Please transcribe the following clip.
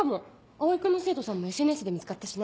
蒼君の生徒さんもＳＮＳで見つかったしね。